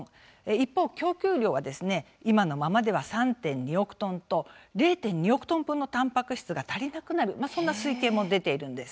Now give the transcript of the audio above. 一方、供給量は今のままでは３．２億トンと０．２億トン分のたんぱく質が足りなくなるそんな推計も出ているんです。